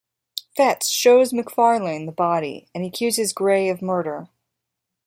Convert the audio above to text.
Fettes shows MacFarlane the body and accuses Gray of murder.